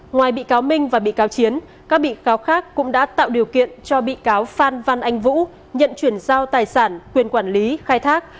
ngoài bị cáo minh và bị cáo chiến các bị cáo khác cũng đã tạo điều kiện cho bị cáo phan văn anh vũ nhận chuyển giao tài sản quyền quản lý khai thác